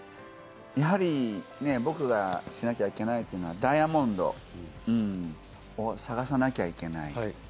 やはり僕がしなきゃいけないというのはダイヤモンドを探さなけゃいけない。